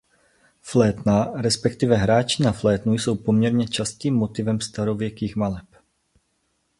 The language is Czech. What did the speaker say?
Flétna resp. hráči na flétnu jsou poměrně častým motivem starověkých maleb.